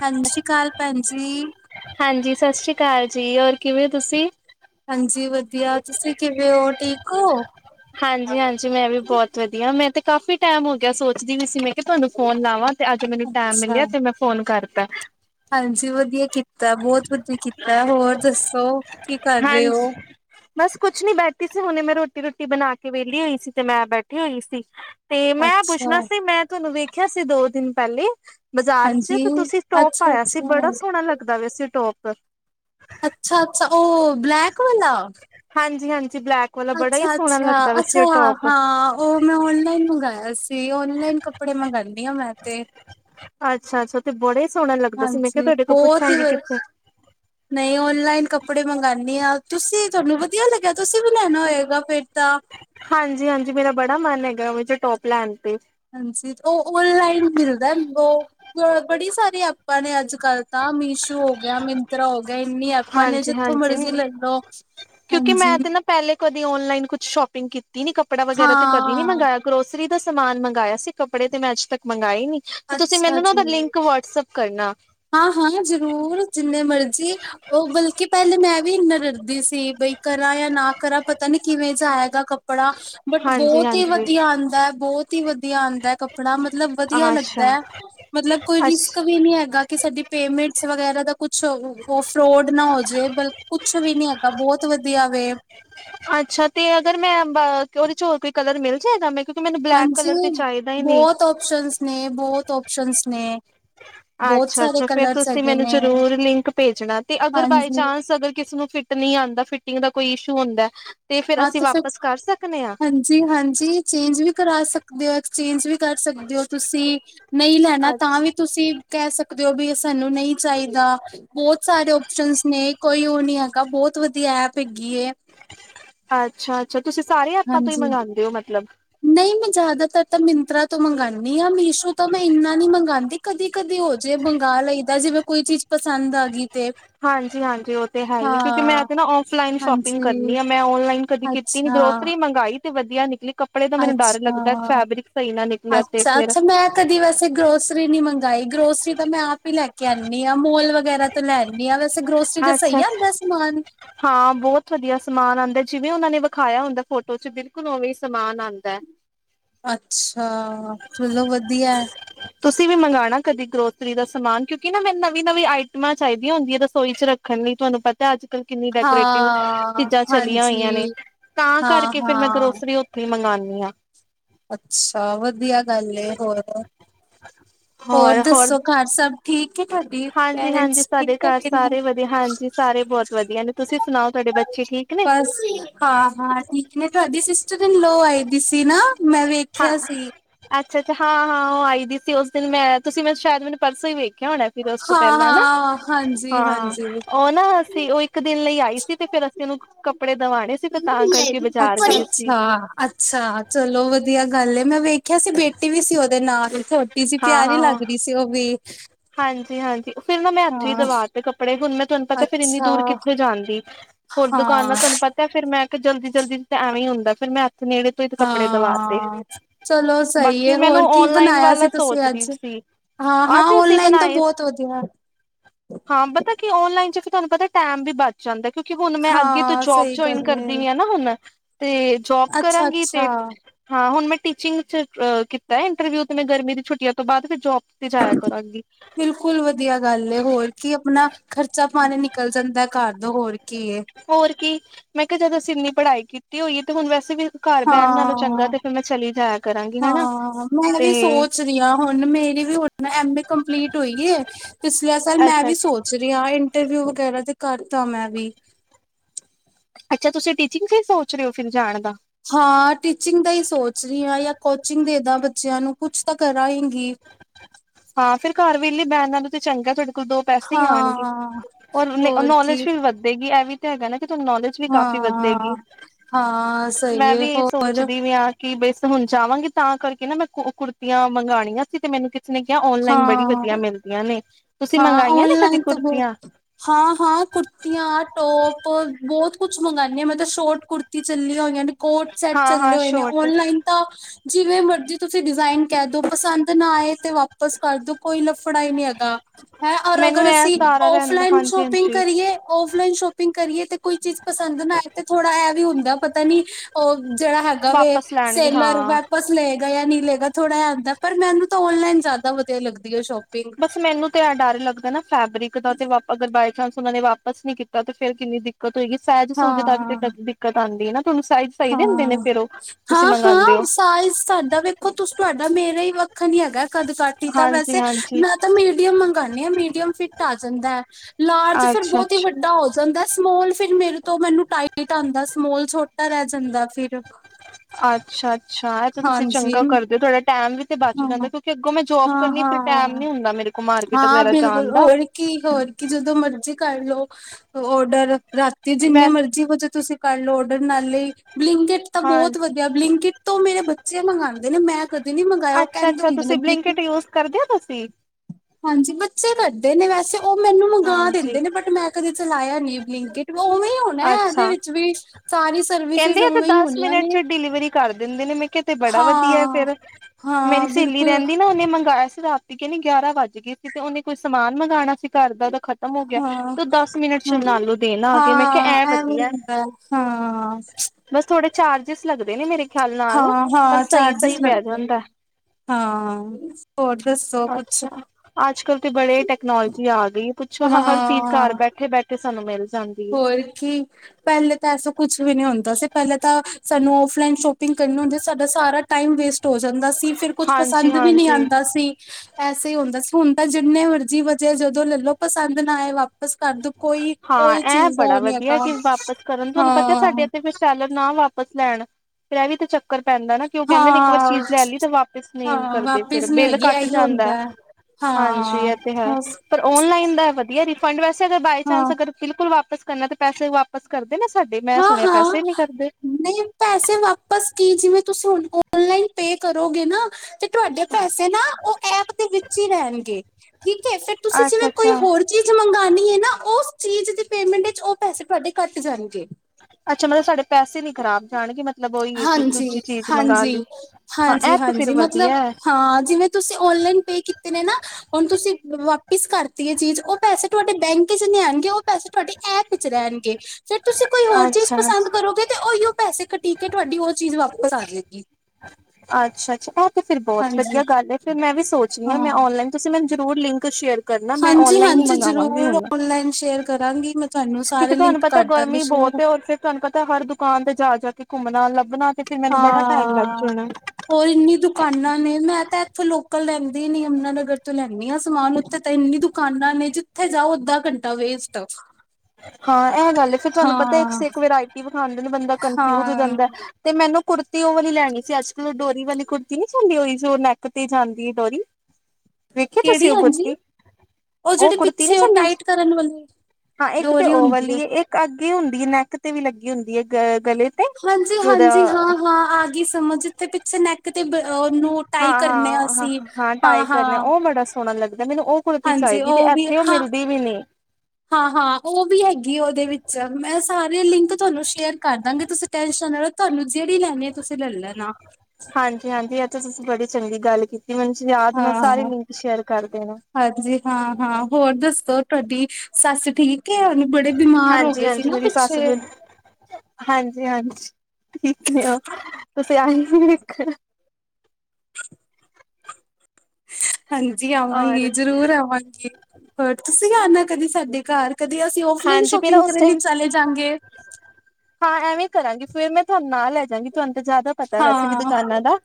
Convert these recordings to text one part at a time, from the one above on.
ਸਤਿ ਸ੍ਰੀ ਅਕਾਲ, ਭੈਣ ਜੀ। ਹਾਂਜੀ ਸਤਿ ਸ੍ਰੀ ਅਕਾਲ ਜੀ, ਹੋਰ ਕਿਵੇਂ ਹੋ ਤੁਸੀਂ। ਹਾਂਜੀ ਵਧੀਆ, ਤੁਸੀਂ ਕਿਵੇਂ ਹੋ, ਠੀਕ ਹੋ। ਹਾਂਜੀ ਹਾਂਜੀ, ਮੈਂ ਵੀ ਬਹੁਤ ਵਧੀਆ, ਮੈਂ ਤੇ ਕਾਫੀ ਟਾਈਮ ਹੋ ਗਿਆ, ਸੋਚਦੀ ਵੀ ਸੀ ਮੈਂ ਤੁਹਾਨੂੰ ਫੋਨ ਲਾਵਾਂ ਤੇ ਅੱਜ ਮੈਨੂੰ ਟੈਮ ਅੱਛਾ ਮਿਲਿਆ ਤੇ ਮੈਂ ਫੋਨ ਕਰ ਕੀਤਾ। ਹਾਂਜੀ ਵਧੀਆ ਕੀਤਾ, ਬਹੁਤ ਵਧੀਆ ਕੀਤਾ, ਹੋਰ ਦੱਸੋ ਕੀ ਕਰ ਰਹੇ ਹੋ। ਹਾਂਜੀ ਬਸ ਕੁਛ ਨੀ ਮੈਂ ਹੁਣੇ ਰੋਟੀ ਰੂਟੀ ਰੋਟੀ ਬਣਾ ਕੇ ਵਿਹਲੀ ਹੋਈ ਸੀ, ਤੇ ਮੈਂ ਬੈਠੀ ਹੋਈ ਸੀ। ਤੇ ਮੈਂ ਅੱਛਾ ਪੁੱਛਣਾ ਸੀ, ਮੈਂ ਤੁਹਾਨੂੰ ਵੇਖ ਵੇਖਿਆ ਸੀ, ਦੋ ਦਿਨ ਪਹਿਲੇ ਬਾਜ਼ਾਰ ਚ ਹਾਂਜੀ ਤੇ ਤੁਸੀਂ ਟੋਪ ਅੱਛਾ ਪਾਇਆ ਸੀ, ਅੱਛਾ ਬੜਾ ਸੋਹਣਾ ਲੱਗਦਾ ਪਿਆ ਸੀ ਟੋਪ। [unintelligible] ਅੱਛਾ ਅੱਛਾ, ਉਹ ਬਲੈਕ ਵਾਲਾ। ਹਾਂਜੀ ਹਾਂਜੀ। ਅੱਛਾ ਅੱਛਾ, ਅੱਛਾ ਟੋਪ ਹਾਂ, ਉਹ ਮੈਂ ਓਨਲਾਈਨ ਮੰਗਵਾਇਆ ਸੀ। ਤੇ ਓਨਲਾਈਨ ਕੱਪੜੇ ਮੰਗਾਉਂਦੀ ਆ ਮੈਂ ਤੇ। ਅੱਛਾ ਅੱਛਾ ਤੇ ਬੜੇ ਹਾਂਜੀ ਬਹੁਤ ਹੀ ਵਧੀਆ, ਨਹੀਂ ਓਨਲਾਈਨ ਕੱਪੜੇ ਮੰਗਾਉਦੀ ਆ। ਤੁਸੀਂ ਤੁਹਾਨੂੰ ਵਧੀਆ ਲੱਗਿਆ। ਤੁਸੀਂ ਵੀ ਲੈਣਾ ਹੋਏਗਾ ਫਿਰ ਤਾਂ ਨਾ ਮਨ ਹੈਗਾ [unintelligible] ਟੋਪ ਲੈਣ ਤੇ। ਹਾਂਜੀ ਉਹ ਓਨਲਾਈਨ ਮਿਲਦਾ ਉਹ ਬੜੀ ਸਾਰੀ ਪਾਂ ਨੇ ਅੱਜ ਕੱਲ੍ਹ ਤਾਂ ਮੀਸ਼ੋ ਹੋ ਗਿਆ ਮੈ [unintelligible] ਗਿਆ ਇੰਨੀ ਆਪਾਂ ਨੇ ਹਾਂਜੀ ਜਿੱਥੋਂ ਹਾਂਜੀ ਮਰਜ਼ੀ ਲੈ ਲਓ। ਕਿਉਂਕਿ ਹਾਂਜੀ ਮੈਂ ਤੇ ਨਾ ਪਹਿਲੇ ਕਦੀ ਔਨਲਾਈਨ ਕੁੱਛ ਸ਼ੋ ਪਿੰਗ ਕੀ ਤੀ ਨਹੀਂ ਕੱਪੜਾ ਵਗੈਰਾ ਤੇ ਕਦੀ ਨੀ ਹਾਂ ਮੰਗਾਇਆ ਕਰੋਸ ਸਰੀ ਦਾ ਸਮਾਨ ਮੰਗਾਇਆ ਸੀ। ਕੱਪੜੇ ਤੇ ਮੈਂ ਅੱਜ ਤੱਕ ਮੰਗਾਏ ਨਹੀਂ। ਤੇ ਤੁਸੀਂ ਅੱਛਾ ਮੈਨੂੰ ਨਾ ਉਹਦਾ ਜੀ ਲਿੰਕ ਵਟਸਐਪ ਕਰਨਾ। ਹਾਂ-ਹਾਂ ਜ਼ਰੂਰ ਜਿੰਨੇ ਮਰਜ਼ੀ ਉਹ ਬਲਕਿ ਪਹਿਲੇ ਮੈਂ ਵੀ ਇੰਨੇ ਡਰਦੀ ਸੀ ਬਈ ਕਰਾਂ ਜਾਂ ਨਾ ਕਰਾਂ। ਪਤਾ ਨਹੀਂ ਕਿਵੇਂ ਜਾ ਆਏਗਾ ਕੱਪੜਾ ਬਟ ਹਾਂਜੀ ਬਹੁਤ ਈ ਹਾਂਜੀ ਵਧੀਆ ਆਉਂਦਾ ਬਹੁਤ ਈ ਵਧੀਆ ਆਉਂਦਾ ਐ ਕੱਪੜਾ ਮਤਲਬ ਵਧੀਆ ਅੱਛਾ ਲੱਗਦਾ ਐ। ਮਤਲਬ ਕੋਈ ਅੱਛਾ ਰਿਸਕ ਵੀ ਨਹੀਂ ਹੈਗਾ। ਕਿ ਸਾਡੀ ਪੇਮੈਂਟਸ ਵਗੈਰਾ ਦਾ ਕੁੱਛ ਹੋ ਉਹ ਫਰੋਡ ਨਾ ਹੋਜੇ ਬਲ ਕੁੱਛ ਵੀ ਨਹੀਂ ਹੈਗਾ ਬਹੁਤ ਵਧੀਆ ਵੇ। ਅੱਛਾ ਤੇ ਅਗਰ ਮੈਂ ਉਹਦੇ ਚ ਹੋਰ ਕੋਈ ਕਲਰ ਮਿਲ ਜਾਏਗਾ ਮੈਂ ਕਿਹਾ ਹਾਂਜੀ ਬਹੁਤ ਓਪਸ਼ਨਸ ਨੇ ਬਹੁਤ ਓਪਸ਼ਨਸ ਨੇ। ਬਹੁਤ ਸਾਰੇ ਅੱਛਾ-ਅੱਛਾ ਫੇਰ ਕਲਰਸ ਤੁਸੀਂ ਹੈਗੇ ਮੈਨੂੰ ਨੇ ਜਰੂਰ ਲਿੰਕ ਭੇਜਣਾ ਤੇ ਅਗਰ ਬਾਈ ਹਾਂਜੀ ਚਾਂਸ ਅਗਰ ਕਿਸੇ ਨੂੰ ਫਿਟ ਨਹੀਂ ਆਂਦਾ ਫੀ ਦਾ ਕੋਈ ਇਸ਼ੂ ਹੁੰਦਾ ਐ। ਹਾਂ ਤੇ ਫਿਰ ਹਾਂਜੀ ਹਾਂਜੀ ਚੇਂਜ ਵੀ ਕਰਾ ਸਕਦੇ ਓ ਚੇਂਜ ਵੀ ਕਰ ਸਕਦੇ ਓ ਤੁਸੀਂ ਨਈ ਲੈਣਾ ਤਾਂ ਵੀ ਤੁਸੀਂ ਕੈ ਸਕਦੇ ਓ ਵੀ ਸਾਨੂੰ ਨਈ ਚਾਈਦਾ ਬੋਤ ਸਾਰੇ ਓਪਸ਼ਨਸ ਨੇ ਕੋਈ ਓ ਨੀ ਹੈਗਾ ਬੋਤ ਵਧੀਆ ਐਪ ਹੈਗੀ ਏ ਅੱਛਾ ਅੱਛਾ ਤੁਸੀਂ ਸਾਰੇ ਆਪਾਂ ਤੋਂ ਈ ਹਾਂਜੀ ਮੰਗਾਦੇ ਓ ਮਤਲਬ ਨਹੀਂ ਮੈਂ ਜਿਆਦਾਤਰ ਤਾਂ ਮਿੰਤਰਾ ਤੋਂ ਮੰਗਾਨੀ ਆ ਮੀਸ਼ੋ ਤੋਂ ਮੈਂ ਇੰਨਾ ਨੀ ਮੰਗਾਂਦੀ ਕਦੀ ਕਦੇ ਹੋਜੇ ਬੰਗਾ ਲਈ ਦਾ ਜਿਵ ਕੋਈ ਚੀਜ਼ ਪਸੰਦ ਆ ਗੀ ਹਾਂਜੀ-ਹਾਂਜੀ ਓ ਤੇ ਹੈ ਈ ਕਿਉਂਕਿ ਮੈਂ ਹਾਂ ਅੱਜ ਆਫਲਾਈਨ ਸ਼ੋਪਿੰਗ ਹਾਂਜੀ ਕਰਨੀ ਆ ਮੈਂ ਓਨਲਾਈਨ ਕਦੀ ਕੀਤੀ ਨੀ ਗਰੋਸਰੀ ਮੰਗਾਈ ਵਧੀਆ ਨਿਕਲੀ ਕੱਪੜੇ ਦਾ ਮੈਨੂੰ ਡਰ ਲੱਗਦਾ ਅੱਛਾ ਫੈਬਰਿਕ ਸਹੀ ਨਾ ਨਿਕਲਿਆ ਤੇ ਫੇਰ ਅੱਛਾ-ਅੱਛਾ ਮੈਂ ਕਦੀ ਵੈਸੇ ਗਰੋਸਰੀ ਨੀ ਮੰਗਾਈ ਗਰੋਸਰੀ ਤਾਂ ਮੈਂ ਆਪ ਹੀ ਲੈ ਕੇ ਆਉਂਦੀ ਹਾਂ ਮੋਲ ਵਗੈਰਾ ਤੋਂ ਲੈਦੀ ਅੱਛਾ-ਅੱਛਾ ਹਾਂ ਬਹੁਤ ਵਧੀਆ ਸਮਾਨ ਆਉਂਦਾ ਜੀ ਵੇ ਉਹਨਾਂ ਨੇ ਵਿਖਾਇਆ ਹੁੰਦਾ ਫੋਟੋ ਚ ਬਿਲਕੁਲ ਉਵੇਂ ਸਮਾਨ ਆਉਂਦਾ ਹੈ ਅੱਛਾ ਚਲੋ ਵਧੀਆ ਤੁਸੀਂ ਵੀ ਮੰਗਉਣਾ ਕਦੀ ਗਰੋਸਰੀ ਦਾ ਸਮਾਨ ਕਿਉਂਕਿ ਨਾ ਮੈ ਨਵੀਂ-ਨਵੀਂ ਆਈਟਮ ਚਾਹੀਦੀਆਂ ਹੁੰਦੀ ਰਸੋਈ ਚ ਰੱਖਣ ਲਈ ਤੁਹਾਨੂੰ ਪਤਾ ਅੱਜ ਕੱਲ ਕਿੰਨੀ ਡੈਕੋਰੇਟਿਵ ਹਾਂ ਚੀਜ਼ਾਂ ਚਲੀਆਂ ਹੋਈਆਂ ਨੇ ਹਾਂਜੀ ਤਾਂ ਕਰਕੇ ਫੇਿਰ ਮੈਂ ਹਾਂ-ਹਾਂ ਗਰੋਸਰੀ ਉੱਥੇ ਹੀ ਮੰਗਉਂਦੀ ਆ ਅੱਛਾ ਵਧੀਆ ਗੱਲ ਹੋਰ-ਹੋਰ ਹੋਰ-ਹੋਰ ਦੱਸੋ ਘਰ ਸਬ ਠੀਕ ਤੁਹਾਡੀ ਹਾਂਜੀ-ਹਾਂਜੀ ਪੇਰੈਂਟਸ ਠੀਕ ਸਾਡੇ ਘਰ ਹੈਗੇ ਨੇ ਸਾਰੇ ਵਧੀਆ ਹਾਂਜੀ ਸਾਰੇ ਬਹੁਤ ਵਧੀਆ ਨੇ ਤੁਸੀਂ ਸੁਣਾਓ ਤੁਹਾਡੇ ਬੱਚੇ ਠੀਕ ਨੇ? ਬਸ ਹਾਂ-ਹਾਂ ਠੀਕ ਨੇ ਤੁਹਾਡੀ ਸਿਸਟਰ ਲੋ ਆਈ ਦੀ ਸੀ ਨਾ ਮੈਂ ਹਾਂ ਵੇਖਿਆ ਸੀ ਅੱਛਾ-ਅੱਛਾ ਹਾਂ-ਹਾਂ ਉਹ ਆਈ ਦੀ ਸੀ ਉਸ ਦਿਨ ਮੈਂ ਤੁਸੀਂ ਮੈਂ ਸ਼ਾਇਦ ਮੈਨੂੰ ਪਰਸੋਂ ਹੀ ਵੇਖਿਆ ਹੋਣਾ ਫਿਰ ਉਸ ਤੋਂ ਪਹਿਲਾਂ ਨਾ ਹਾਂ-ਹਾਂ ਹਾਂ ਹਾਂਜੀ-ਹਾਂਜੀ ਉਹ ਨਾ ਅਸੀਂ ਉਹ ਇੱਕ ਦਿਨ ਲਈ ਆਈ ਸੀ ਤੇ ਫਿਰ ਅਸੀਂ ਉਹਨੂੰ ਕੱਪੜੇ ਦਵਾਣੇ ਸੀ ਫ ਤਾਂ ਮੈਂ ਕਰਕੇ ਵੀ ਅੱਛਾ ਬਾਜ਼ਾਰ ਬੜੀ ਗਏ ਸੀ ਅੱਛਾ ਆਖਿਆ ਸੀ ਬੇਟੀ ਵੀ ਸੀ ਉਹਦੇ ਨਾਲ ਛੋਟੀ ਸੀ ਪਿਆਰ ਹੀ ਲੱਗ ਰਹੀ ਸੀ ਉਹ ਵੀ ਹਾਂਜੀ-ਹਾਂਜੀ ਫਿਰਰ ਨਾ ਮੈਂ ਹੱਥੋਂ ਹੀ ਹਾਂ ਦੀਵਾ ਤੇ ਕੱਪੜੇ ਹੁਣ ਮੈਂ ਤੁਹਾਨੂੰ ਪਤਾ ਫੇ ਇੰਨੀ ਅੱਛਾ ਦੂਰ ਕਿੱਥੇ ਜਾਣਦੀ ਠੀ ਹੋਰ ਦੁਕਾਨ ਹਾਂ ਨਾਲ ਤੁਹਾਨੂੰ ਪਤਾ ਫਿਰ ਮੈਂ ਜਲਦੀ-ਜਲਦੀ ਆਂ ਹੁੰਦੀ ਫਿਰ ਮੈਂ ਹੱਥ ਨੇੜੇ ਤੋਂ ਹੀ ਕੱਪੜੇ ਦਵਾ ਤੇ ਹਾਂ ਚਲੋ ਸਹੀ ਬਾਕੀ ਹੈ ਮੈਨੂੰ ਹੋਰ ਕੀ ਬਣਾ ਔਨਲਾਈਨ ਵਾਲਾ ਸੋਚ ਵੀ ਸੀ ਹਾਂ ਅਜ ਅਸੀਂ ਓਨਲਾਈਨ ਤਾਂ ਬਣਾਏ ਬਹੁਤ ਵਧੀਆ ਹਾਂ ਪਤਾ ਕੀ ਓਨਲਾਈਨ ਚ ਤੁਹਾਨੂੰ ਪਤਾ ਟੈਮ ਵੀ ਬਚ ਜਾਂਦੇ ਕਿਉਂਕਿ ਹੁਣ ਮੈਂ ਅੱਗੇ ਤੋਂ ਹਾਂ ਜੋਬ ਸਹੀ ਗੱਲ ਜੁਆਇਨ ਏ ਕਰਦੀ ਹ ਨਾ ਹੁਣ ਤੇ ਜੋਬ ਅੱਛਾ ਕਰਾਂਗੀ ਅੱਛਾ ਤੇ ਹਾਂ ਹੁਣ ਮੈਂ ਟੀਚਿੰਗ ਚ ਕੀਤਾ ਇੰਟਰਵਿਊ ਤੇ ਮ ਗਰਮੀ ਦੀ ਛੱਟੀ ਤੋਂ ਬਾਅਦ ਫ ਜੋਬ ਤੇ ਜਾਇਆ ਕਰਾਂਗੀ। ਬਿਲਕੁਲ ਵਧੀਆ ਗੱਲ ਹੋਰ ਕੀ ਆਪਣਾ ਖਰਚਾ ਪਾਣੀ ਨਿਕਲ ਜਾਂਦਾ ਘਰ ਦਾ ਹੋਰੀ। ਹੋਰ ਕੀ ਮੈਂ ਕਿਹਾ ਜਦੋਂ ਅਸੀਂ ਇੰਨੀ ਪੜ੍ਹਾਈ ਕੀਤੀ? ਹੋਈ ਹੈ ਤੇ ਹੁਣ ਵੈਸੇ? ਵੀ ਘਰ ਬਹਿਣ ਨਾਲੋਂ ਚੰਗਾ ਹਾਂ ਤੇ ਫਿਰ ਮੈਂ ਚਲੀ ਜਾਇਆ ਕਰਾਂਗੀ ਹਨਾ ਹਾਂ ਮੈਂ ਤੇ ਵੀ ਸੋਚ ਰਹੀ ਹਾਂ ਹੁਣ ਮੇਰੀ ਵੀ ਹੁਣ ਐਮ ਏ ਕੰਪਲੀਟ ਹੋਈ ਹੈ ਪਿਛਲੇ ਸਾਲ ਮੈਂ ਅੱਛਾ ਵੀ ਸੋਚ ਰਹੀ ਹਾਂ? ਇੰਟਰਵਿਊ ਵਗੈਰਾ ਤੇ ਕਰਤਾ ਮੈਂ ਵੀ? ਅੱਛਾ ਤੁਸੀਂ ਟੀਚਿੰਗ ਲਈ ਸੋਚ ਰਹੇ ਹੋ ਫਿਰ ਜਾਣ ਦਾ? ਹਾਂ ਟੀਚਿੰਗ ਦਾ ਹੀ ਸੋਚ ਰਹੀ ਹਾਂ ਜਾਂ ਕੋਚਿੰਗ ਦੇ ਦਾ ਬੱਚਿਆਂ ਨੂੰ ਕੁਛ ਤਾਂ ਕਰਾਂਗੀ। ਹਾਂ ਫਿਰ। ਘਰ ਵੇਹਲੇ ਬੈਹਣ ਨਾਲੋ ਤਾਂ ਚੰਗਾ। ਤੁਹਾਡੇ ਕੋਲ ਦੋ ਪੈਸੇ ਹੀ ਆਉਣਗੇ ਹਾਂ ਔਰ ਹੋਰ ਨੌਲੇਜ ਕੀ ਵੀ ਵੱਧੇਗੀ ਐ ਵੀ? ਤੇ ਹੈਗਾ ਨਾ। ਤੇ ਤੁਹਾਨੂੰ ਨੌਲੇਜ ਵੀ ਕਾਫ਼ੀ ਵੱਧੇਗੀ ਹਾਂ। ਹਾਂ ਸਹੀ ਮੈਂ ਹੈ ਵੀ ਇਹ ਹੋਰ ਸੋਚਦੀ ਵੀ ਆ ਕਿ ਬਈ? ਤੇ ਹੁਣ ਜਾਵਾਂਗੀ ਤਾਂ ਕਰਕੇ ਨਾ ਮੈਂ ਕੁੜਤੀਆਂ ਮੰਗਵਾਉਣੀਆਂ ਸੀ ਤੇ ਮੈਨੂੰ? ਮੈਂ ਕਿਹਾ ਔਨਲਾਈਨ ਬੜੀ ਹਾਂ ਵਧੀਆ ਮਿਲਦੀਆਂ ਨੇ? ਤੁਸੀਂ ਹਾਂ ਮੰਗਾਈਆਂ ਨੇ ਕਦੀ ਔਨਲਾਈਨ ਤੇ ਬਹੁ ਕੁੜਤੀਆਂ ਹਾਂ ਹਾਂ ਕੁੁੜਤੀਆਂ, ਟੋਪ ਬਹੁਤ ਕੁਛ। ਸਭ ਕੁਛ ਮੰਗਵਾਉਣੀ ਹਾਂ ਮੈ ਤਾਂ ਸ਼ੋਰਟ ਕੁੁੜਤੀ ਚੱਲੀਆਂ ਹੋਈਆਂ ਨੇ। ਕੋਟ ਸੈਟ ਹਾਂ ਚੱਲੇ ਹਾਂ ਹੋਏ ਨੇ ਸ਼ੋਟ ਔਨਲਾਈਨ ਤਾਂ। ਜਿਵੇਂ ਮਰਜ਼ੀ ਤੁਸੀਂ ਡਿਜ਼ਾਇਨ ਕਹਿ ਦੋ ਪਸੰਦ ਨਾ ਆਏ ਤੇ ਵਾਪਸ ਕਰਦੋ ਕੋਈ ਲਫੜਾ ਹੀ ਨਹੀਂ ਹੈਗਾ। ਹੈ ਔਰ ਮੈਨੂੰ ਅਗਰ ਇਹ ਅਸੀਂ ਸਾਰਾ ਰਹਿੰਦਾ ਔਫਲਾਈਨ ਹਾਂਜੀ ਸ਼ੋਪਿੰਗ ਹਾਂਜੀ ਕਰੀਏ? ਔਫਲਾਈਨ ਸ਼ੋਪਿੰਗ ਕਰੀਏ ਤੇ ਕੋਈ ਚੀਜ਼ ਪਸੰਦ ਨਾ ਆਏ ਤੇ ਥੋੜਾ ਇਹ ਵੀ ਹੁੰਦਾ ਪਤਾ ਨੀ। ਜਿਹੜਾ ਹੈਗਾ ਵੇ ਵਾਪਸ ਲੈਣਗੇ ਸੇਲਰ ਹਾਂ ਵਾਪਸ ਲਏਗਾ ਜਾ ਨਹੀਂ। ਲਏਗਾ ਥੋੜਾ ਏਦਾਂ ਹੈ ਪਰ ਮੈਨੂੰ ਤਾਂ ਔਨਲਾਈਨ ਜ਼ਿਆਦਾ ਵਧੀਆ ਲੱਗਦੀ ਹੈ ਸ਼ੌਪਿੰਗ। ਬਸ ਮੈਨੂੰ ਤੇ। ਇਹ ਡਰ ਲੱਗਦਾ ਨਾ ਫੈਬਰਿਕ ਦਾ ਤੇ ਆਪਾਂ ਅਗਰ ਬਾਏ। ਬਾਏਚਾਂਨਸ ਉਹਨਾਂ ਨੇ ਵਾਪਸ ਨੀ ਕੀਤਾ ਤੇ ਫੇਰ ਕਿੰਨੀ ਦਿੱਕਤ? ਹੋਏਗੀ ਸਹਿਜ ਸੂਜ ਵਾਸਤੇ ਦਿੱਕਤ ਆਉਂਦੀ ਹੈ? ਹੁੰਦੀ ਹੈ ਨਾ। ਤੁਹਾਨੂੰ ਸਾਈਜ਼ ਸਹੀ ਦਿੰਦੇ ਹਾਂ ਨੇ ਫੇਰ ਉਹ ਤੁਸੀਂ ਹਾਂ ਹਾਂ ਮੰਗਵਾਉਂਦੇ ਹੋ ਸਾਈਜ਼ ਸਾਡਾ ਵੇਖੋ ਤੁਸੀਂ ਤੁਹਾਡਾ ਮੇਰਾ ਹੀ ਵੱਖਣ ਹੀ ਹੈ। ਗੈ ਕਦ ਕਾਟੀ ਤਾਂ ਹਾਂਜੀ ਵੈਸੇ ਹਾਂਜੀ ਮੈਂ ਤਾਂ ਮੀਡੀਅਮ ਮੰਗਾਉਣੀ ਹਾਂ ਮੀਡੀਅਮ ਫਿੱਟ ਆ ਜਾਂਦਾ ਲਾਰਜ ਫਿਰ ਅੱਛਾ ਬਹੁਤ ਹੀ ਅੱਛਾ ਵੱਡਾ ਹੋ ਜਾਂਦਾ ਸਮੌਲ। ਹੋਰ ਫਿਰ ਮੇਰੇ ਤੋਂ ਮੈਨੂੰ ਟਾਈਟ ਆਉਂਦਾ ਸਮੋਲ? ਛੋਟਾ ਰਹਿ ਜਾਂਦਾ ਹੈ ਫਿਰ। ਅੱਛਾ। ਅੱਛਾ ਤੇ ਤੁਸੀਂ ਹਾਂਜੀ ਚੰਗਾ ਕਰਦੇ ਹੋ ਤੁਹਾਡਾ ਟਾਈਮ ਵੀ ਬਚ ਜਾਂਦਾ ਕਿਉਂਕਿ ਅੱਗੋਂ ਮੈਂ ਜੋਬ ਕਰਨੀ ਫੇਰ ਟਾਈਮ ਹਾਂ-ਹਾਂ-ਹਾਂ ਨੀ ਹੁੰਦਾ ਮੇਰੇ ਕੋਲ ਮਾਰਕੀਟ ਹਾਂ ਵਗੈਰਾ ਬਿਲਕੁਲ ਜਾਣ ਦਾ। ਹੋਰ ਕੀ ਹੋਰ ਕੀ ਜਦੋਂ ਮਰਜ਼ੀ ਕਰ ਲੋ ਔਡਰ। ਰਾਤੀ ਜਿੰਨੇ ਵੈਸ ਮਰਜ਼ੀ ਹੋਜੇ ਤੁਸੀਂ ਕਰ ਲੋੜ ਨਾਲੇ ਬਲਿੰਕਿਟ ਤਾਂ ਹਾਂ ਬਹੁਤ ਵਧੀਆ ਬਲਿੰਕਟ ਤ ਉਹ ਮੇਰੇ ਬੱਚੇ ਮੰਗਵਾਉਦੇ ਨੇ ਮੈਂ ਕਦੇ ਨੀ ਮੰਗਾਇਆ ਉਹ ਅੱਛਾ ਕਹਿੰਦੇ ਅੱਛਾ ਹੁੰਦੇ ਨੇ ਤੁਸੀਂ ਬਲਿੰਕਟ ਯੂਜ ਕਰਦੇ ਹੋ ਤੁਸੀਂ ਹਾਂਜੀ ਬੱਚੇ ਲੱਦੇ ਨੇ ਵੈਸੇ ਉਹ ਮੈਨੂੰ ਮੰਗਵਾ ਹਾਂਜੀ ਦਿੰਦੇ ਨੇ ਬਟ ਮੈਂ ਕਦੇ ਚਲਾਇਆ ਈਵਨੀਿੰਗ ਕੇ ਉਵੇਂ ਹੋਣਾ ਇਹਦੇ ਅੱਛਾ ਵਿੱਚ ਵੀ ਸਾਰੀ ਕਹਿੰਦੇ ਸਰਵਿਸਿਸ ਆ ਤੇ ਉਵੇਂ ਹੀ ਦਸ ਹੋਣੀਆਂ ਮਿੰਟ ਨੇ ਚ ਡਿਲੀਵਰੀ ਕਰ ਦਿੰਦੇ ਨੇ ਮੈਂ ਕਿਹਾ ਤੇ ਬੜਾ ਵਧੀਆ ਹਾਂ ਫੇਿਰ ਮੇਰੀ ਹਾਂ ਸਹੇਲੀ ਬਿਲਕੁਲ ਰਹਿੰਦੀ ਨਾ ਉਹਨੇ ਮੰਗਵਾਆ ਅਸੀ ਰਾਤਤੀ ਕਹਨੀ ਗਿਆਰਾਂ ਵੱਜ ਗਏ ਸੀ ਤੇ ਉਹਨੇ ਕੋਈ ਸਮਾਨ ਮੰਗਉਣਾ ਸੀ ਘਰ ਦਾ ਖ਼ਤਮ ਹੋ ਗਿਆ ਹਾਂ ਤੂੰ ਦਸ ਮਿੰਟ ਹਾਂ ਸ਼ਰਨਾਲੂ ਦੇਣ ਆ ਗ ਮੈਂ ਹਾਂ ਕਿਹਾ ਐ ਐਵੇਂ ਵਧੀਆ ਹੁੰਦਾ ਹਾਂ ਬਸ ਥੋੜੇ ਚਾਰਜਿਸ ਲੱਗਦੇ ਨੇ ਮੇਰੇ ਖਿਆਲ ਨਾਲ ਹਾਂ ਪਰ ਹਾਂ ਸਹੀ ਚਾਰਜਿਸ ਸਹੀ ਪੈ ਲੱਗੇ ਜਾਂਦਾ ਹਾਂ ਹੋਰ ਦੱਸੋ ਕੁਛ ਅੱਛਾ ਅੱਜ ਕੱਲ ਤੇ ਬੜੇ ਟੈਕਨੋਲੋਜੀ ਆ ਗਈ ਪੁੱਛੋ ਨਾ ਹਰ ਚੀਜ਼ ਹਾਂ ਘਰ ਬੈਠੇ ਬੈਠੇ ਸਾਨੂੰ ਮਿਲ ਜਾਂਦੀ ਹੈ ਹੋਰ ਕੀ ਪਹਿਲੇ ਤਾਂ ਐਸੋ ਕੁਛ ਵੀ ਨੀ ਹੁੰਦਾ ਸੀ ਪਹਿਲਾਂ ਤਾਂ ਸਾਨੂੰ ਔਫਲਾਈਨ ਸ਼ੋਪਿੰਗ ਕਰਨੀ ਹੁੰਦੀ ਸਾਡਾ ਸਾਰਾ ਟਾਈਮ ਵੇਸਟ ਹੋ ਜਾਂਦਾ ਸੀ ਫਿਰ ਕੁੱਛ ਹਾਂਜੀ ਪਸੰਦ ਵੀ ਨਹੀਂ ਹਾਂਜੀ ਆਂਦਾ ਸੀ ਐਸੇ ਹੀ ਹੁੰਦਾ ਹੁਣ ਤਾਂ ਜਿੰਨੇ ਮਰਜ਼ੀ ਵਜੇ ਜਦੋਂ ਲੈ ਲੋ ਪਸੰਦ ਨਾ ਆਏ ਵਾਪਸ ਰਦ ਕੋਈ ਕੋਈ ਐ ਚੀਜ਼ ਦਾ ਬੜਾ ਉਹ ਨੀ ਵਧੀਆ ਹੈਗਾ ਕਿ ਵਾਪਿਸ ਕਰਨ ਤੁਹਾਨੂੰ ਪਤਾ ਸਾਡੇ ਹਾਂ ਇਥ ਫ ਸੈਲਰ ਨਾ ਵਾਪ ਲੈਣ ਫਿਰ ਇਹ ਵੀ ਤੇ ਚੱਕ ਪੈਂਦਾ ਨਾ ਕਿ ਉਹ ਕਹਿੰਦੇ ਇੱਕ ਵਾਰ ਹਾਂ ਚੀਜ਼ ਲੈ ਲਈ ਤੇ ਵਾਪਿਸ ਨਹੀਂ ਹਾਂ ਕਰਦੇ। ਫਿਰ ਵਾਪਿਸ ਨੀ ਬਿੱਲ ਹੋਏਗੀ ਕੱਟ ਇਹੀ ਜਾਂਦਾ। ਹੁੰਦਾ ਹੈ। ਹਾਂਜੀ ਹਾਂ ਇਹ ਤੇ ਹੈ ਪਰ ਓਨਲਾਈਨ ਦਾ ਵਧੀਆ ਫੰਡ ਵਸ ਹਾਂ ਬਿਲਕੁਲ ਵਾਪ ਵਾਪਸ ਕਰਨਾ ਤੇ ਪੈਸੇ ਵਾਪਸ ਕਰ ਹਾਂ ਹਾਂ, ਨਹੀਂ ਪੈਸੇ ਵਾਪਸ ਕੀ ਜਿਵੇਂ ਤੁਸੀਂ ਹੁਣ ਓਨਲਾਈਨ ਪੇ ਕਰੋਗੇ ਨਾ ਤੇ ਤੁਹਾਡੇ ਪੈਸੇ ਨਾ ਉਹ ਐਪ ਦੇ ਵਿੱਚ ਹੀ ਰਹਿਣਗੇ, ਠੀਕ ਏ ਫੇਰ, ਤੁਸੀਂ ਅੱਛਾ ਜਿਵੇਂ ਕੋਈ ਅੱਛਾ ਹੋਰ ਚੀਜ਼ ਮੰਗਾਉਣੀ ਏ ਨਾ ਉਸ ਚੀਜ਼ ਦੀ ਪੇਮੈਂਟ ਵਿੱਚ ਉਹ ਪੈਸੇ ਤੁਹਾਡੇ ਕੱਟ ਜਾਣਗੇ। ਅੱਛਾ, ਮਤਲਬ ਸਾਡੇ ਪੈਸੇ ਨੀ ਖਰਾਬ ਜਾਣਗੇ, ਮਤਲਬ ਉਹੀ ਹੈ ਕਿ ਹਾਂਜੀ, ਦੂਜੀ ਚੀਜ਼ ਮੰਗਵਾ ਹਾਂਜੀ, ਲਈ ਹਾਂ ਹਾਂਜੀ ਇਹ ਤੇ ਫਿਰ ਹਾਂਜੀ, ਮਤਲਬ ਵਧੀਆ ਹੈ ਹਾਂ, ਜਿਵੇਂ ਤੁਸੀਂ ਓਨਲਾਈਨ ਪੇ ਕੀਤੇ ਨੇ ਨਾ, ਹੁਣ ਤੁਸੀਂ ਵਾਪਿਸ ਕਰਤੀ ਏ ਚੀਜ਼, ਉਹ ਪੈਸੇ ਤੁਹਾਡੇ ਬੈਂਕ ਕਿਸੇ ਚ ਨੀ ਆਣਗੇ, ਉਹ ਪੈਸੇ ਤੁਹਾਡੇ ਐਪ ਵਿੱਚ ਰਹਿਣਗੇ। ਫੇਰ ਤੁਸੀਂ ਕੋਈ ਹੋਰ ਚੀਜ਼ ਅੱਛਾ ਪਸੰਦ ਅੱਛਾ ਕਰੋਗੇ ਤੇ ਉਹੀ ਓ ਪੈਸੇ ਕਟੀ ਕਿ ਤੁਹਾਡੀ ਉਹ ਚੀਜ਼ ਵਾਪਸ ਆ ਜਾਏਗੀ। ਅੱਛਾ ਅੱਛਾ। ਤੇ ਫੇਰ ਬਹੁਤ ਹਾਂਜੀ ਵਧੀਆ ਗੱਲ ਏ, ਫਿਰ ਮੈਂ ਵੀ ਸੋਚ ਰਹੀ ਆ, ਹਾਂ ਮੈਂ ਔਨਲਾਈਨ ਤੁਸੀਂ ਮੈਨੂੰ ਜਦੋ ਉਹ ਲਿੰਕ ਸ਼ੇਅਰ ਕਰਨਾ ਮੈਂ ਹਾਂਜੀ ਔਨਲਾਈਨ ਹੀ ਹਾਂਜੀ, ਮੰਗਵਾਵਾਂਗੀ ਜ਼ਰੂਰ ਹੁਣ ਓਨਲਾਈਨ ਸ਼ੇਅਰ ਕਰਾਂਗੀ, ਮੈ ਕਿਉਂਕਿ ਤੁਹਾਨੂੰ ਪਤਾ ਗਰਮੀ ਬਹੁਤ ਏ, ਉੱਥੇ ਤੁਹਾਨੂੰ ਪਤਾ ਹਰ ਦੁਕਾਨ ਤੇ ਜਾ ਕੇ ਘੁੰਮਣ ਨਾਲ ਲੱਭਣਾ ਤੇ ਫਿਰ ਮੈਨੂੰ ਬੜਾ ਟਾਈਮ ਲੱਗ ਹਾਂ, ਜਾਣਾ ਹੋਰ ਇੰਨੀ ਦੁਕਾਨਾਂ ਨੇ, ਮੈਂ ਤਾਂ ਇੱਥੋਂ ਲੋਕ ਲੋਕਲ ਲੈਂਦੀ ਨੀ ਯਮੁਨਾ ਨਗਰ ਤੋਂ ਲੈਂਦੀ ਆ ਸਮਾਨ, ਉੱਥੇ ਤਾਂ ਇੰਨੀ ਦੁਕਾਨਾਂ ਨੇ ਜਿੱਥੇ ਜਾਉ ਅੱਧਾ ਘੰਟਾ ਵੇਸਟ ਆ। ਹਾਂ, ਇਹ ਗੱਲ ਫਿਰ ਤੁਹਾਨੂੰ ਪਤਾ ਇੱਕ ਸੇ ਇੱਕ ਵਰਾਇਟੀ ਵਿਖਾਉਣ ਤੇ ਬੰਦਾ ਕਨਫਿਊਜ ਹੋ ਹਾਂ ਜਾਂਦਾ, ਤੇ ਮੈਨੂੰ ਕੁੜਤੀ ਉਹ ਵਾਲੀ ਲੈਣੀ ਸੀ ਅੱਜ ਕੱਲ ਡੋਰੀ ਵਾਲੀ ਕੁੜਤੀ ਨੀ ਜਾਂਦੀ, ਉਹੀ ਜੋ ਨੈਕ ਤੇ ਜਾਂਦੀ ਏ ਡੋਰੀ। ਵੇਖੀ ਤੁਸੀਂ ਕਿਹੜੀ ਉਹ ਹਾਂਜੀ, ਕੁੜਤੀ ਉਹ ਜਿਹੜੀ ਕੁੜਤੀ ਨੀ ਪਿੱਛੇ ਉਹ ਚੱਲੀ ਟਾਈਟ ਕਰਨ ਵਾਲੀ ਹਾਂ ਇੱਕ ਤੇ ਡੋਰੀ ਓ ਹੁੰਦੀ ਹੈ ਵਾਲੀ ਏ, ਇੱਕ ਅੱਗੇ ਹੁੰਦੀ ਏ ਨੈਕ ਨੈਕ ਤੇ ਵੀ ਲੱਗੀ ਹੁੰਦੀ ਆ ਤ ਹਾਂਜੀ ਹਾਂਜੀ, ਹਾਂ ਹਾਂ, ਆ ਗਈ ਸਮਝ ਜਿੱਥੇ ਸਨੈਕ ਤੇ ਬ ਹਾਂ ਹਾਂ ਹਾਂ ਹਾਂ, ਟਾਏ ਕਰਨੇ ਉਹ ਬੜਾ ਸੋਹਣਾ ਲੱਗ ਮੈਨੂੰ ਉਹ ਕੁੜਤੀ ਹਾਂਜੀ ਚਾਹੀਦੀ, ਤੇ ਵੀ ਇੱਥੇ ਉਹ ਹਾਂ ਮਿਲਦੀ ਵੀ ਨਹੀਂ। ਹਾਂ ਹਾਂ ਉਹ ਵੀ ਹੈਗੀ ਉਹਦੇ ਵਿੱਚ ਮੈਂ ਸਾਰੇ ਲਿੰਕ ਤੁਹਾਨੂੰ ਸ਼ੇਅਰ ਕਰ ਦਾਗੀ, ਤੁਸੀਂ ਟੈਨਸ਼ਨ ਨਾ ਲਉ। ਤੁਹਾਨੂੰ ਜਿਹੜੀ ਲੈਣੀ ਆ ਤੁਸੀਂ ਲੈ ਲੈਣਾ। ਹਾਂਜੀ ਹਾਂਜੀ। ਤੁਸੀਂ ਬੜੀ ਚੰਗੀ ਗੱਲ ਕੀਤੀ। ਮੈਨੂੰ ਯਾਦ ਮੈਂ ਸਾਰੇ ਹਾਂ, ਲਿੰਕ ਸ਼ੇਅਰ ਕਰ ਦੇਣਾ ਹਾਂਜੀ ਹਾਂ ਹਾਂ, ਹੋਰ ਦੱਸੋ। ਤੁਹਾਡੀ ਸੱਸ ਠੀਕ ਕੀ ਹੋ ਗਿਆ ਸੀ, ਉਹ ਬੜੇ ਬਿਮਾਰ ਹੋ ਹਾਂਜੀ ਗਏ ਸੀ ਹਾਂਜੀ ਨਾ ਮੇਰੀ ਸੱਸ ਪਿੱਛੇ? ਹਾਂਜੀ-ਹਾਂਜੀ ਠੀਕ ਨੇ ਉਹ ਤੁਸੀਂ ਆਈ ਵੀ ਵੇਖਣ। ਹਾਂਜੀ ਆਵਾਂਗੀ ਔਰ ਜ਼ਰੂਰ ਆਵਾਂਗੀ। ਪਰ ਤੁਸੀਂ ਆਉਣਾ ਕਦੋਂ ਸਾਡੇ ਘਰ? ਕਦੇ ਅਸੀਂ ਆਫ ਲਾਈਨ ਹਾਂਜੀ ਮੇਰਾ ਸ਼ੋਪਿੰਗ ਉਸ ਕਰਨ ਲਈ ਟਾਈਮ ਚਲੇ ਜਾਂਗੇ। ਹਾਂ ਐਵੇਂ ਕਰਾਂਗੀ ਫੇਰ ਮੈਂ ਤੁਹਾਨੂੰ ਨਾਲ ਲੈ ਜਾਂਗੀ ਤੁਹਾਨੂੰ ਤਾਂ ਜ਼ਿਆਦਾ ਪਤਾ ਵੈਸੇ ਵੀ ਹਾਂ ਦੁਕਾਨਾਂ ਦਾ।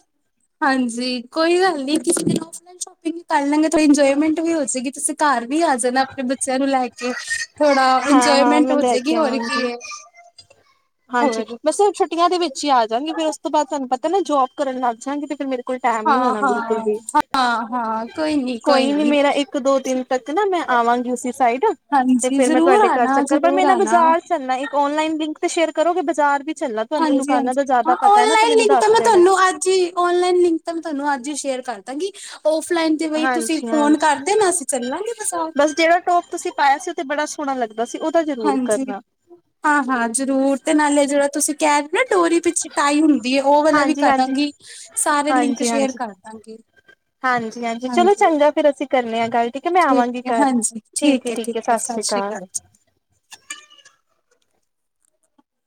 ਹਾਂਜੀ ਕੋਈ ਗੱਲ ਨਹੀਂ ਕਿਸੇ ਦਿਨ ਆਫ ਲਾਈਨ ਸ਼ੋਪਿੰਗ ਕਰ ਲਾਂਗੇ ਤਾਂ ਇੰਜੋਏਮੈਂਟ ਵੀ ਹੋ ਜਾਏਗੀ ਤੁਸੀਂ ਘਰ ਵੀ ਆ ਜਾਣਾ ਆਪਣੇ ਬੱਚਿਆਂ ਨੂੰ ਲੈ [unintelligible] ਥੋੜਾ ਹਾਂ-ਹਾਂ ਇੰਜੋਏਮੈਂਟ ਮੈਂ ਲੈ ਹੋਜੇਗੀ ਕੇ ਹੋਰ ਕੀ ਆਵਾਂਗੀ ਐ। ਹਾਂਜੀ ਬਸ ਛੁੱਟੀਆਂ ਦੇ ਵਿੱਚ ਹੀ ਆ ਜਾਣਗੇ ਫਿਰ ਉਸ ਤੋਂ ਬਾਅਦ ਤੁਹਾਨੂੰ ਪਤਾ ਨਾ ਜੋਬ ਕਰਨ ਲੱਗ ਜਾਂਗੇ ਫਿਰ ਮੇਰੇ ਟਾਈਮ ਨਹੀਂ ਹਾਂ ਹੋਣਾ ਬਿਲਕੁਲ ਵੀ। ਹਾਂ ਹਾਂ ਹਾਂ ਕੋਈ ਨੀ ਕੋਈ ਨਹੀਂ ਨੀ ਮੇਰਾ ਇੱਕ ਦੋ ਦਿਨ ਤੱਕ ਨਾ ਮੈਂ ਆਵਾਂਗੀ ਉਸੀ ਸਾਈਡ ਤੇ ਹਾਂਜੀ ਫਿਰ ਮੈਂ ਜ਼ਰੂਰ ਤੁਹਾਡੇ ਘਰ ਆਣਾ ਚੱਕਰ ਪਰ ਜ਼ਰੂਰ ਮੈਂ ਨਾ ਆਣਾ ਬਾਜ਼ਾਰ ਚਲਣਾ ਇੱਕ ਆਨਲਾਈਨ ਲਿੰਕ ਤੇ ਸ਼ੇਅਰ ਕਰੋਗੇ ਬਾਜ਼ਾਰ ਵੀ ਚੱਲਣਾ ਤੁਹਾਨੂੰ ਤਾਂ ਦੁਕਾਨਾਂ ਦਾ ਹਾਂਜੀ-ਹਾਂਜੀ ਹਾਂ ਜ਼ਿਆਦਾ ਪਤਾ ਐ ਨਾ ਤੇ ਆਨਲਾਈਨ ਮੈਨੂੰ ਲਿੰਕ ਤਾਂ ਦੱਸ ਮੈਂ ਦੇਣਾ। ਤੁਹਾਨੂੰ ਅੱਜ ਹੀ ਆਨਲਾਈਨ ਲਿੰਕ ਤਾਂ ਮੈਂ ਤੁਹਾਨੂੰ ਅੱਜ ਹੀ ਸ਼ੇਅਰ ਕਰ ਦਾਂਗੀ। ਆਫ ਲਾਈਨ ਤੇ ਬਈ ਤੁਸੀਂ ਹਾਂਜੀ ਫੋਨ ਹਾਂਜੀ ਕਰ ਦੇਨਾ ਅਸੀਂ ਚੱਲਾਂਗੇ ਬਾਜ਼ਾਰ। ਬਸ ਜਿਹੜਾ ਟੋਪ ਤੁਸੀਂ ਪਾਇਆ ਸੀ ਉਹ ਤੇ ਬੜਾ ਸੋਹਣਾ ਲੱਗਦਾ ਸੀ ਉਹਦਾ ਜ਼ਰੂਰ ਹਾਂਜੀ ਕਰਨਾ ਹਾਂ-ਹਾਂ ਜ਼ਰੂਰ। ਨਾਲੇ ਜਿਹੜਾ ਤੁਸੀਂ ਕਹਿ ਰਹੇ ਨਾ ਡੋਰੀ ਵਿੱਚ ਟਾਈ ਹੁੰਦੀ ਹੈ ਉਹ ਵਾਲਾ ਵੀ ਹਾਂਜੀ ਹਾਂਜੀ ਕਰਦਾਂਗੀ। ਸਾਰੇ ਲਿੰਕ ਹਾਂਜੀ ਸ਼ੇਅਰ ਹਾਂਜੀ ਕਰਦਾਂਗੀ। ਹਾਂਜੀ ਚਲੋ ਹਾਂਜੀ, ਚੰਗਾ ਫਿਰ ਅਸੀਂ ਕਰਨੇ ਆ ਗੱਲ ਹੈ ਮੈਂ ਠੀਕ ਆਵਾਂਗੀ ਹੈ ਘਰ ਹਾਂਜੀ ਠੀਕ ਠੀਕ ਹੈ ਸਤਿ ਸ੍ਰੀ ਅਕਾਲ ਜੀ। [inaudible]